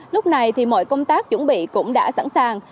lúc này thì mọi công tác chuẩn bị cũng đã sẵn sàng